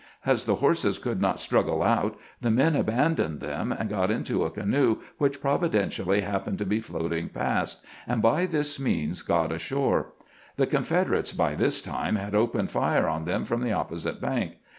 As the horses could not struggle out, the men abandoned them, and got into a canoe which providen tially happened to be floating past, and by this means got ashore. The Confederates by this time had opened fire on them from the opposite bank.